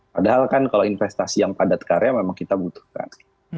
padahal kan kalau investasi yang padat karya memang kita butuhkan